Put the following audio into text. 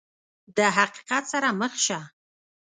د حقیقت سره مخ شه !